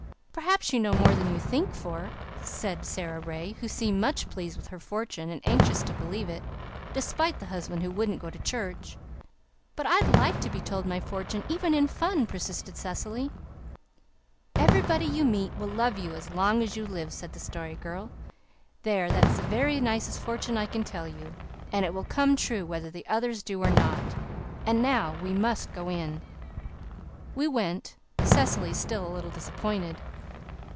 "Perhaps you know more than you think for," said Sara Ray, who seemed much pleased with her fortune and anxious to believe it, despite the husband who wouldn't go to church. "But I'd like to be told my fortune, even in fun," persisted Cecily. "Everybody you meet will love you as long as you live." said the Story Girl. "There that's the very nicest fortune I can tell you, and it will come true whether the others do or not, and now we must go in." We went, Cecily still a little disappointed.